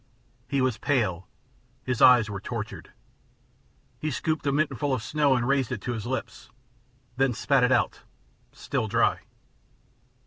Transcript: He was pale, his eyes were tortured. He scooped a mitten full of snow and raised it to his lips, then spat it out, still dry.